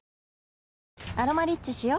「アロマリッチ」しよ